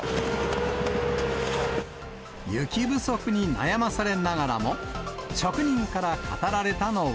雪不足に悩まされながらも、職人から語られたのは